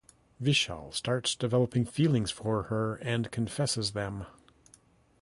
Vishal starts developing feelings for her and confesses them.